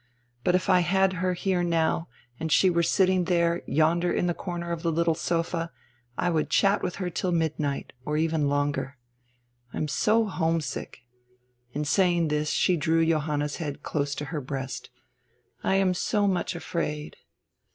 But if I had her here now, and she were sitting there, yonder in die corner of die little sofa, I would chat with her till midnight, or even longer. I am so home sick" — in saying this she drew Johanna's head close to her breast — "I am so much afraid."